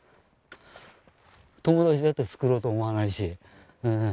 友達だってつくろうと思わないし。